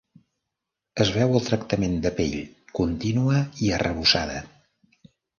Es veu el tractament de pell contínua i arrebossada.